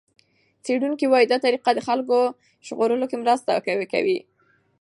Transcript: څېړونکي وايي دا طریقه د خلکو ژغورلو کې مرسته کوي.